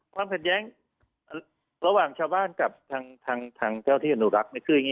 ความขัดแย้งระหว่างชาวบ้านกับทางเจ้าที่อนุรักษ์